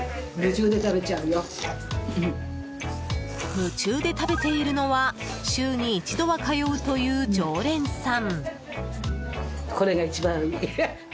夢中で食べているのは週に１度は通うという、常連さん。